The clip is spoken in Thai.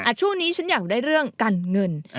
ช่วงนี้ฉันอยากได้เรื่องการเงิน